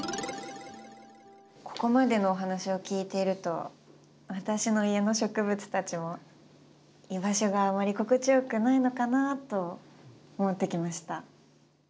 ここまでのお話を聞いていると私の家の植物たちも居場所があまり心地よくないのかなと思ってきました。